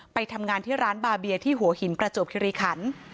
ไปทำงานที่ร้านบาเบียที่หัวหินประจวบคิริขัน